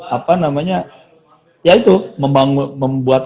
apa namanya ya itu membuat